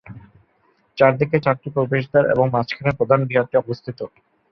চারদিকে চারটি প্রবেশদ্বার এবং মাঝখানে প্রধান বিহারটি অবস্থিত।